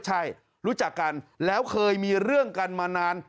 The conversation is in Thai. ใช่รู้จักกันแล้วเคยมีเรื่องกันมานาน